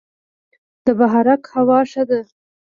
د بهارک هوا ښه ده